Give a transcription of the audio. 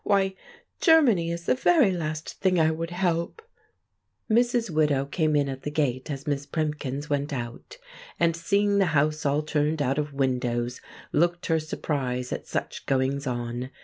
Why, Germany is the very last thing I would help!" Mrs. Widow came in at the gate as Miss Primkins went out; and, seeing the house all turned out of windows, looked her surprise at such goings on!